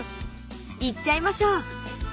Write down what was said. ［行っちゃいましょう］